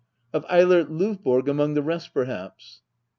Of Eilert Lovborg among the rest, perhaps